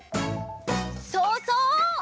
そうそう！